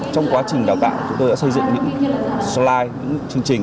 trong quá trình đào cạo chúng tôi đã xây dựng những slide những chương trình